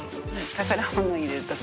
宝物入れるとこ。